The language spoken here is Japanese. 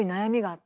って！